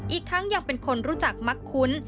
อีกทั้งยังเป็นคนรู้จักมักคุ้น